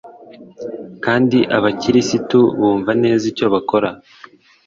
kandi abakirisitu bumva neza icyo bakora